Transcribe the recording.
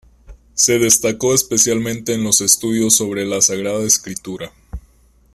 Se destacó especialmente en los estudios sobre la Sagrada Escritura.